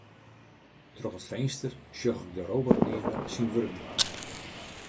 Troch it finster sjoch ik de robotmeaner syn wurk dwaan.